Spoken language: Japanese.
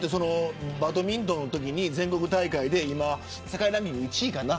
バドミントンのときに全国大会で世界ランキング１位かな。